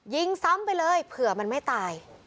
ยิงซ้ำไปเลยเผื่อมันไม่ตาย